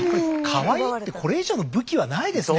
カワイイってこれ以上の武器はないですね。